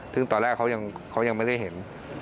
ซึ่งตอนแรกเขายังไม่ได้เห็น